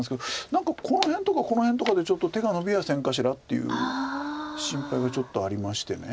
何かこの辺とかこの辺とかでちょっと手がのびやせんかしらっていう心配がちょっとありまして。